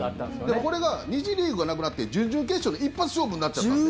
でも、これが２次リーグがなくなって準々決勝の一発勝負になっちゃったんです。